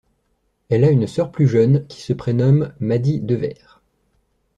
Elle a une sœur plus jeune, qui se prénomme Mady Dever.